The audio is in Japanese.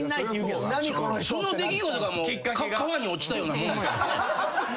その出来事がもう川に落ちたようなもんですもんね。